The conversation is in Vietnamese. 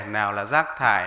nào là rác thải